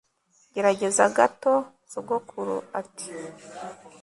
gerageza gato. sogokuru ati